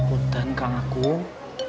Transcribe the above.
udah kak akung